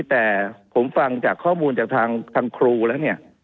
แต่ผมฟังจากข้อมูลจากทางครูแล้วเนี่ย